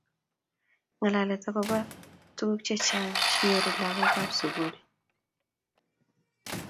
ngalalet agoba tuguk chechang chenyoru lagookab susguly